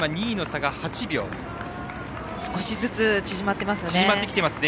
少しずつ縮まっていますね。